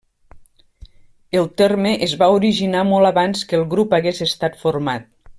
El terme es va originar molt abans que el grup hagués estat format.